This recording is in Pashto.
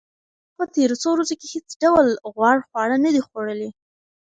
ما په تېرو څو ورځو کې هیڅ ډول غوړ خواړه نه دي خوړلي.